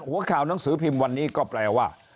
หัวข่าวหนังสือพิมพ์วันนี้ก็แปลว่า